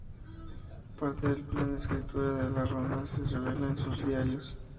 Parte del plan de escritura de La ronda se revela en sus diarios.